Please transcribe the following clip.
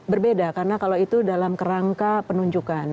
berbeda karena kalau itu dalam kerangka penunjukan